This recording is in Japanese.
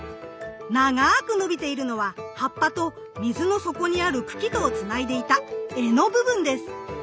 長く伸びているのは葉っぱと水の底にある茎とをつないでいた柄の部分です！